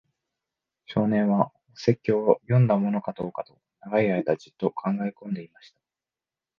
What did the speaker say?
少年は、お説教を読んだものかどうかと、長い間じっと考えこんでいました。